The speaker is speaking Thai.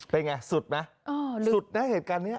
เป็นไงสุดมั้ยสุดได้เห็นกันเนี่ย